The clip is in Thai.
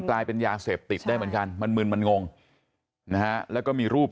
กลายเป็นยาเสพติดได้เหมือนกันมันมึนมันงงนะฮะแล้วก็มีรูป